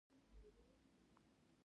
ما ته يي وخندل.